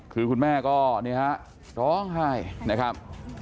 คือคุณแม่ก็นี่ฮะร้องไห้นะครับ